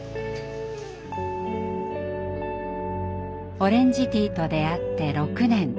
オレンジティと出会って６年。